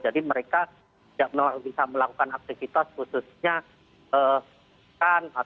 jadi mereka tidak bisa melakukan aktivitas khususnya